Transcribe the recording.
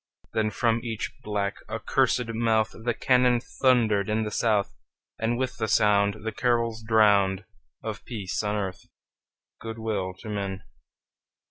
Then from each black, accursed mouth The cannon thundered in the South, And with the sound The carols drowned Of peace on earth, good will to men!